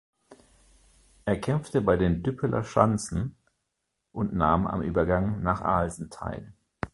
Er kämpfte bei den Düppeler Schanzen und nahm am Übergang nach Alsen teil.